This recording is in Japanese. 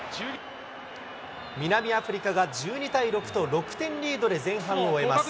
南アフリカが１２対６と、６点リードで前半を終えます。